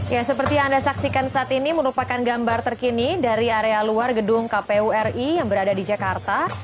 ya seperti yang anda saksikan saat ini merupakan gambar terkini dari area luar gedung kpu ri yang berada di jakarta